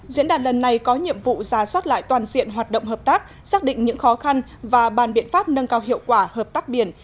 diễn đàn lần này có nhiệm vụ giả soát lại toàn diện hoạt động hợp tác xác định những khó khăn và bàn biện pháp nâng cao hiệu quả hợp tác biển